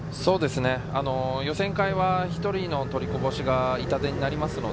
予選会は１人の取りこぼしが痛手になります。